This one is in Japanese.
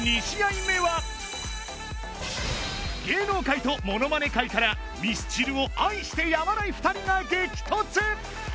２試合目は芸能界とものまね界からミスチルを愛してやまない２人が激突